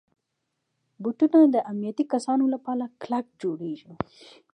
بوټونه د امنیتي کسانو لپاره کلک جوړېږي.